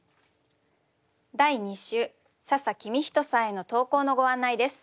第２週笹公人さんへの投稿のご案内です。